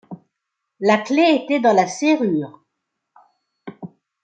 La clef était dans la serrure.